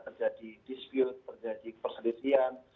terjadi dispute terjadi perselisihan